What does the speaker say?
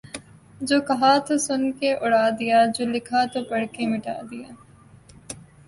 جو کہا تو سن کے اڑا دیا جو لکھا تو پڑھ کے مٹا دیا